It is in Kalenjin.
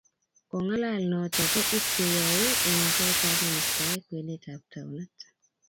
Kingalal noto ko pkeyaye eng kot ab ministaeng kwenet ab townit.